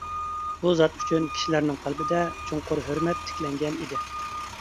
بۇ زات ئۈچۈن كىشىلەرنىڭ قەلبىدە چوڭقۇر ھۆرمەت تىكلەنگەن ئىدى.